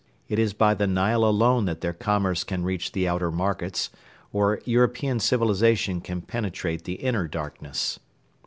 It is by the Nile alone that their commerce can reach the outer markets, or European civilisation can penetrate the inner darkness.